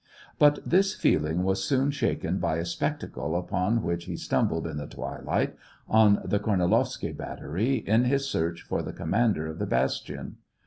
But this feeling was soon shaken by a spectacle upon which he stumbled in the twilight, on the Kornilovsky battery, in his search for the com mander of the bastion.